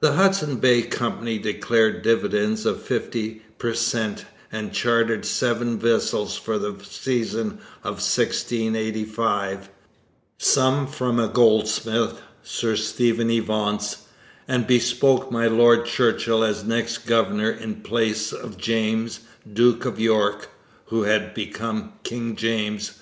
The Hudson's Bay Company declared dividends of fifty per cent, and chartered seven vessels for the season of 1685 some from a goldsmith, Sir Stephen Evance; and bespoke my Lord Churchill as next governor in place of James, Duke of York, who had become King James II.